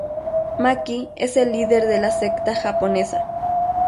Maki es el líder de la secta japonesa.